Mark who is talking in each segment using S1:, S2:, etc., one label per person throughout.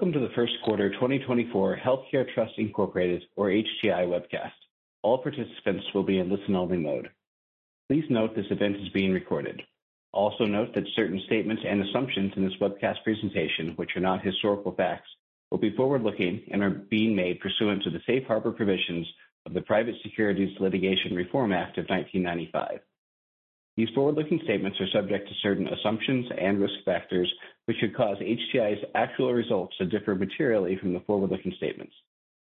S1: Welcome to the First Quarter 2024 Healthcare Trust Incorporated, or HTI webcast. All participants will be in listen-only mode. Please note this event is being recorded. Also note that certain statements and assumptions in this webcast presentation, which are not historical facts, will be forward-looking and are being made pursuant to the safe harbor provisions of the Private Securities Litigation Reform Act of 1995. These forward-looking statements are subject to certain assumptions and risk factors, which could cause HTI's actual results to differ materially from the forward-looking statements.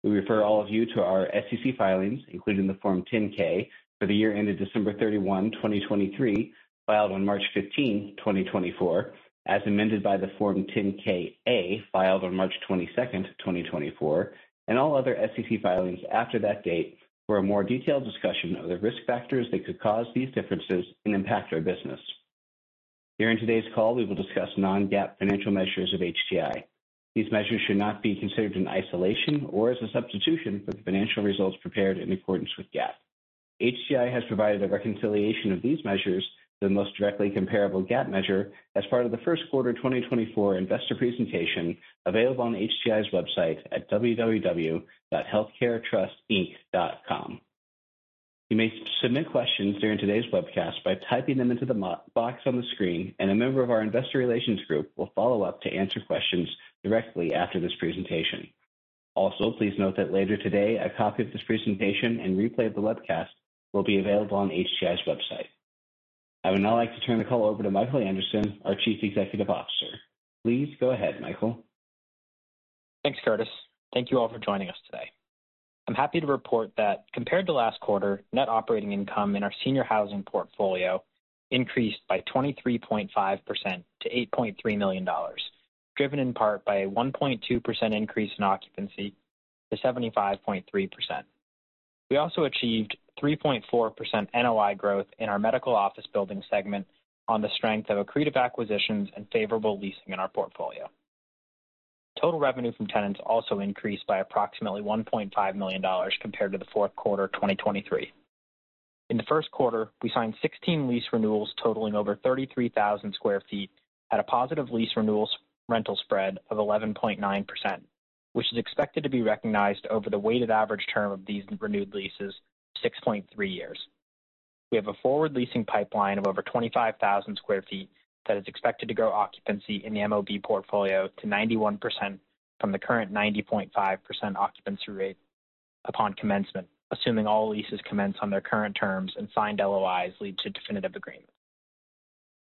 S1: We refer all of you to our SEC filings, including the Form 10-K for the year ended December 31, 2023, filed on March 15, 2024, as amended by the Form 10-K/A, filed on March 22nd, 2024, and all other SEC filings after that date for a more detailed discussion of the risk factors that could cause these differences and impact our business. During today's call, we will discuss non-GAAP financial measures of HTI. These measures should not be considered in isolation or as a substitution for the financial results prepared in accordance with GAAP. HTI has provided a reconciliation of these measures to the most directly comparable GAAP measure as part of the first quarter 2024 investor presentation, available on HTI's website at www.healthcaretrustinc.com. You may submit questions during today's webcast by typing them into the box on the screen, and a member of our investor relations group will follow up to answer questions directly after this presentation. Also, please note that later today, a copy of this presentation and replay of the webcast will be available on HTI's website. I would now like to turn the call over to Michael Anderson, our Chief Executive Officer. Please go ahead, Michael.
S2: Thanks, Curtis. Thank you all for joining us today. I am happy to report that compared to last quarter, net operating income in our senior housing portfolio increased by 23.5% to $8.3 million, driven in part by a 1.2% increase in occupancy to 75.3%. We also achieved 3.4% NOI growth in our medical office building segment on the strength of accretive acquisitions and favorable leasing in our portfolio. Total revenue from tenants also increased by approximately $1.5 million compared to the fourth quarter 2023. In the first quarter, we signed 16 lease renewals totaling over 33,000 sq ft at a positive lease renewals rental spread of 11.9%, which is expected to be recognized over the weighted average term of these renewed leases, 6.3 years. We have a forward leasing pipeline of over 25,000 sq ft that is expected to grow occupancy in the MOB portfolio to 91% from the current 90.5% occupancy rate upon commencement, assuming all leases commence on their current terms and signed LOIs lead to definitive agreement.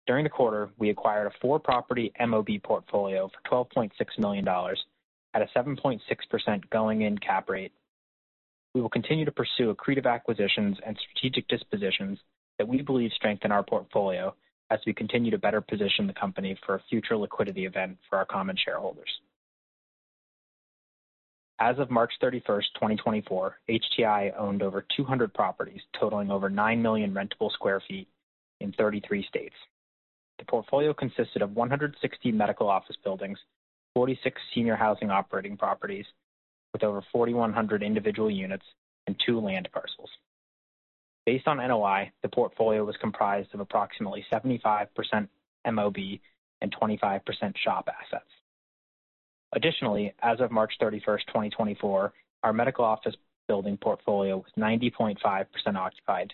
S2: During the quarter, we acquired a four-property MOB portfolio for $12.6 million at a 7.6% going-in cap rate. We will continue to pursue accretive acquisitions and strategic dispositions that we believe strengthen our portfolio as we continue to better position the company for a future liquidity event for our common shareholders. As of March 31st, 2024, HTI owned over 200 properties totaling over 9 million rentable square feet in 33 states. The portfolio consisted of 116 medical office buildings, 46 senior housing operating properties with over 4,100 individual units, and two land parcels. Based on NOI, the portfolio was comprised of approximately 75% MOB and 25% SHOP assets. Additionally, as of March 31st, 2024, our medical office building portfolio was 90.5% occupied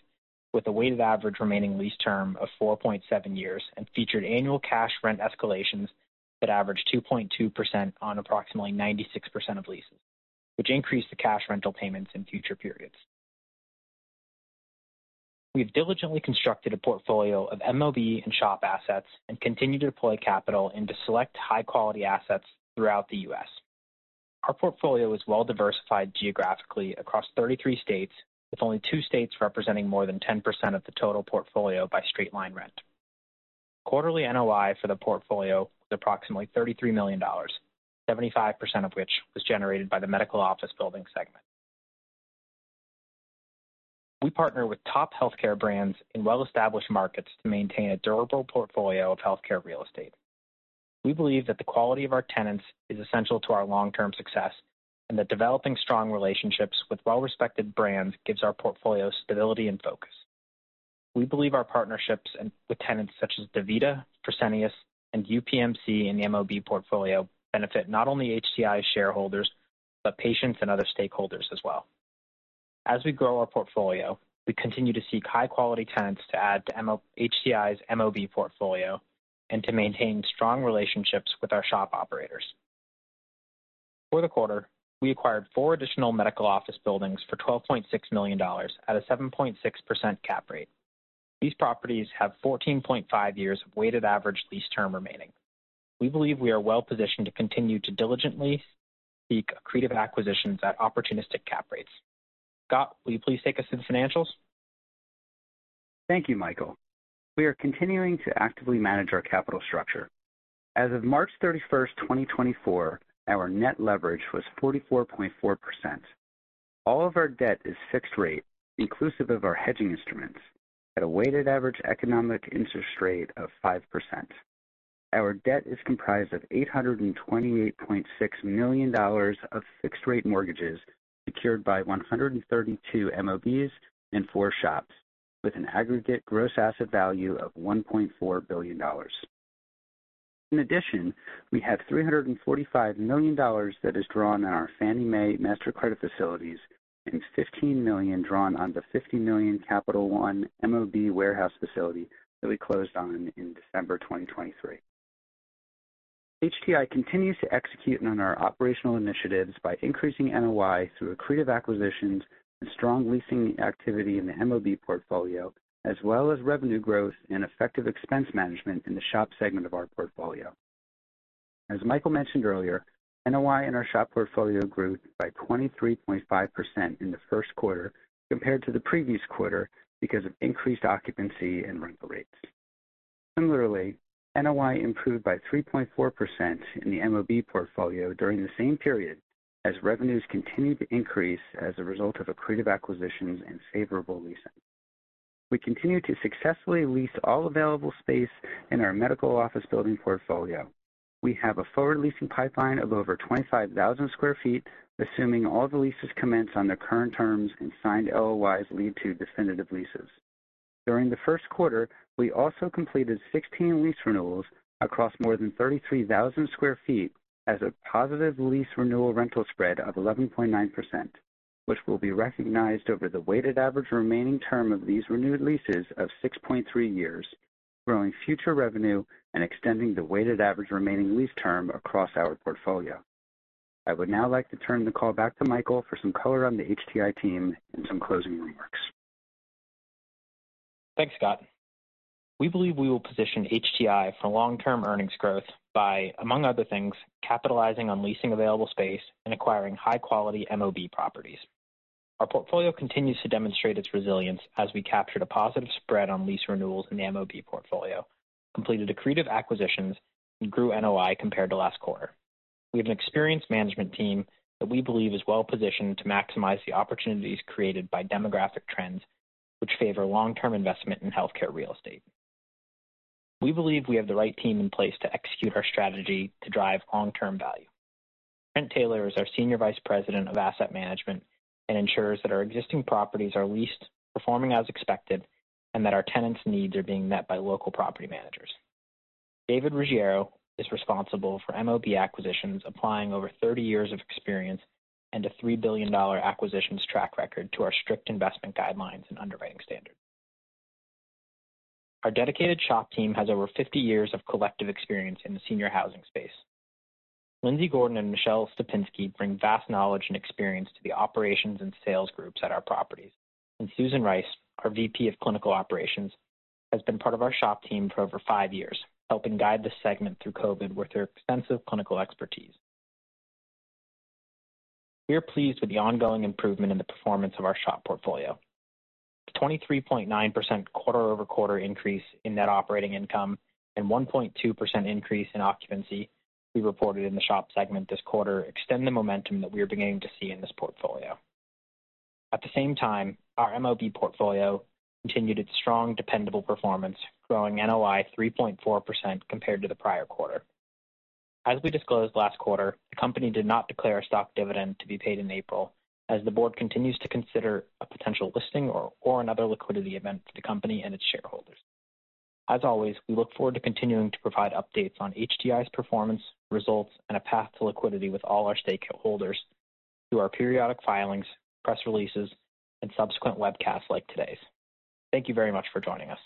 S2: with a weighted average remaining lease term of 4.7 years and featured annual cash rent escalations that average 2.2% on approximately 96% of leases, which increase the cash rental payments in future periods. We've diligently constructed a portfolio of MOB and SHOP assets and continue to deploy capital into select high-quality assets throughout the U.S. Our portfolio is well diversified geographically across 33 states, with only two states representing more than 10% of the total portfolio by straight line rent. Quarterly NOI for the portfolio was approximately $33 million, 75% of which was generated by the medical office building segment. We partner with top healthcare brands in well-established markets to maintain a durable portfolio of healthcare real estate. We believe that the quality of our tenants is essential to our long-term success, and that developing strong relationships with well-respected brands gives our portfolio stability and focus. We believe our partnerships with tenants such as DaVita, Fresenius, and UPMC in the MOB portfolio benefit not only HTI shareholders, but patients and other stakeholders as well. As we grow our portfolio, we continue to seek high-quality tenants to add to HTI's MOB portfolio and to maintain strong relationships with our SHOP operators. For the quarter, we acquired four additional medical office buildings for $12.6 million at a 7.6% cap rate. These properties have 14.5 years of weighted average lease term remaining. We believe we are well positioned to continue to diligently seek accretive acquisitions at opportunistic cap rates. Scott, will you please take us through the financials?
S3: Thank you, Michael. We are continuing to actively manage our capital structure. As of March 31st, 2024, our net leverage was 44.4%. All of our debt is fixed rate, inclusive of our hedging instruments, at a weighted average economic interest rate of 5%. Our debt is comprised of $828.6 million of fixed rate mortgages secured by 132 MOBs and four SHOPs. With an aggregate gross asset value of $1.4 billion. In addition, we have $345 million that is drawn on our Fannie Mae Master Credit Facilities, and $15 million drawn on the $50 million Capital One MOB warehouse facility that we closed on in December 2023. HTI continues to execute on our operational initiatives by increasing NOI through accretive acquisitions and strong leasing activity in the MOB portfolio, as well as revenue growth and effective expense management in the SHOP segment of our portfolio. As Michael mentioned earlier, NOI in our SHOP portfolio grew by 23.5% in the first quarter compared to the previous quarter because of increased occupancy and rental rates. Similarly, NOI improved by 3.4% in the MOB portfolio during the same period as revenues continued to increase as a result of accretive acquisitions and favorable leasing. We continue to successfully lease all available space in our medical office building portfolio. We have a forward leasing pipeline of over 25,000 sq ft, assuming all the leases commence on their current terms and signed LOIs lead to definitive leases. During the first quarter, we also completed 16 lease renewals across more than 33,000 sq ft as a positive lease renewal rental spread of 11.9%, which will be recognized over the weighted average remaining term of these renewed leases of 6.3 years, growing future revenue and extending the weighted average remaining lease term across our portfolio. I would now like to turn the call back to Michael for some color on the HTI team and some closing remarks.
S2: Thanks, Scott, we believe we will position HTI for long-term earnings growth by, among other things, capitalizing on leasing available space and acquiring high-quality MOB properties. Our portfolio continues to demonstrate its resilience as we captured a positive spread on lease renewals in the MOB portfolio, completed accretive acquisitions, and grew NOI compared to last quarter. We have an experienced management team that we believe is well-positioned to maximize the opportunities created by demographic trends which favor long-term investment in healthcare real estate. We believe we have the right team in place to execute our strategy to drive long-term value. Trent Taylor is our Senior Vice President of Asset Management and ensures that our existing properties are leased, performing as expected, and that our tenants' needs are being met by local property managers. David Ruggiero is responsible for MOB acquisitions, applying over 30 years of experience and a $3 billion acquisitions track record to our strict investment guidelines and underwriting standards. Our dedicated SHOP team has over 50 years of collective experience in the senior housing space. Lindsay Gordon and Michelle Stepinsky bring vast knowledge and experience to the operations and sales groups at our properties. Susan Rice, our VP of clinical operations, has been part of our SHOP team for over five years, helping guide the segment through COVID with her extensive clinical expertise. We are pleased with the ongoing improvement in the performance of our SHOP portfolio. The 23.9% quarter-over-quarter increase in net operating income and 1.2% increase in occupancy we reported in the SHOP segment this quarter extend the momentum that we are beginning to see in this portfolio. At the same time, our MOB portfolio continued its strong, dependable performance, growing NOI 3.4% compared to the prior quarter. As we disclosed last quarter, the company did not declare a stock dividend to be paid in April, as the board continues to consider a potential listing or another liquidity event for the company and its shareholders. As always, we look forward to continuing to provide updates on HTI's performance, results, and a path to liquidity with all our stakeholders through our periodic filings, press releases, and subsequent webcasts like today's. Thank you very much for joining us